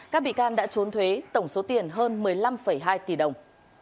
các bị can đã trốn thuế tổng số tiền hơn một mươi năm hai tỷ đồng